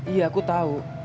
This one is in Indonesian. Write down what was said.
iya aku tahu